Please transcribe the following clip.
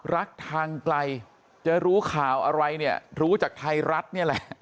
ทางไกลจะรู้ข่าวอะไรเนี่ยรู้จากไทยรัฐนี่แหละ